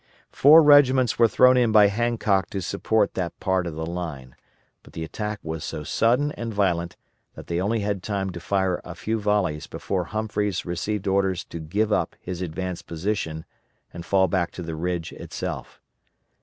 Four regiments were thrown in by Hancock to support that part of the line, but the attack was so sudden and violent that they only had time to fire a few volleys before Humphreys received orders to give up his advanced position and fall back to the ridge itself.